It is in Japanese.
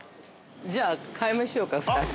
◆じゃあ、買いましょうか、２つ。